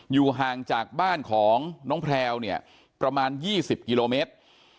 อยู่ห่างจากบ้านของน้องแพลวเนี่ยประมาณ๒๐กิโลเมตร